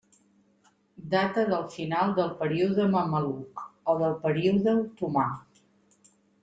Data del final del període mameluc, o del període otomà.